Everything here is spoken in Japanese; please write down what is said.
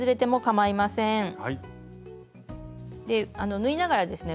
縫いながらですね